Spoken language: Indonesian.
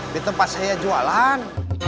di tempat saya jualan